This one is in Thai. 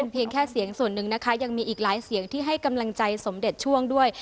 เพียงแค่เสียงส่วนหนึ่งนะคะยังมีอีกหลายเสียงที่ให้กำลังใจสมเด็จช่วงด้วย